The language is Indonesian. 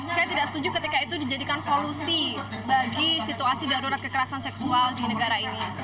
saya tidak setuju ketika itu dijadikan solusi bagi situasi darurat kekerasan seksual di negara ini